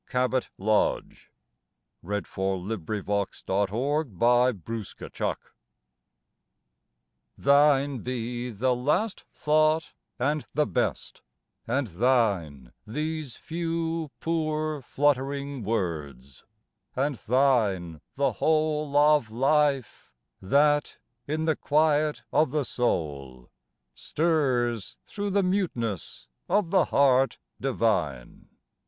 Be Silent ! for he loved me and is dead." 134 A LAST WORD THINE be the last thought and the best, and thine These few, poor, fluttering words, and thine the whole Of life, that in the quiet of the soul, Stirs through the muteness of the Heart Divine.